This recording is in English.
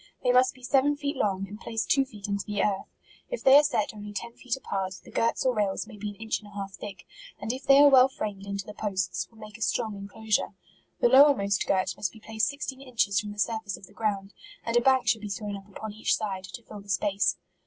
They must be seven feet long, and placed two feet into the earth. If they are set only ten fe t apart, the girts or rails may be an inch and a half thick, and if they are well framed into the posts, will make a strong inclosure. The lowermost girt must be placed sixteen inches from the surface of the ground, and a bank should be thrown up upon each side, to fill the space.